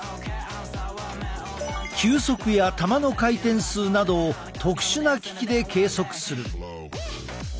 球速や球の回転数などを特殊な機器で計測する。